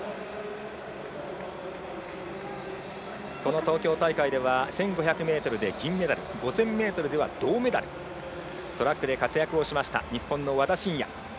この東京大会では１５００ｍで金メダル５０００ｍでは銅メダルトラックで活躍をしました日本の和田伸也。